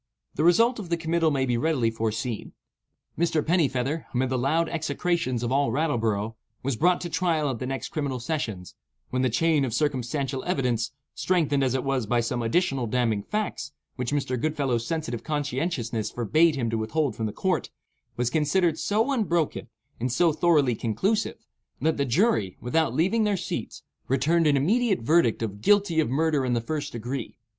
The result of the committal may be readily foreseen. Mr. Pennifeather, amid the loud execrations of all Rattleborough, was brought to trial at the next criminal sessions, when the chain of circumstantial evidence (strengthened as it was by some additional damning facts, which Mr. Goodfellow's sensitive conscientiousness forbade him to withhold from the court) was considered so unbroken and so thoroughly conclusive, that the jury, without leaving their seats, returned an immediate verdict of "Guilty of murder in the first degree."